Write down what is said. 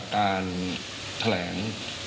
การแถลง